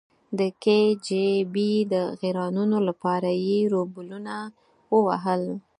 د کې جی بي د غیرانونو لپاره یې روبلونه ووهل.